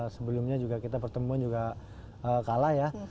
sebelumnya juga kita pertemuan juga kalah ya